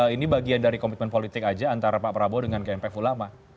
ini bagian dari komitmen politik aja antara pak prabowo dengan gnpf ulama